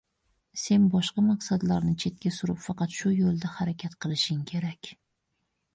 Sen boshqa maqsadlarni chetga surib, faqat shu yoʻlda harakat qilishing kerak.